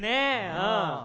うん。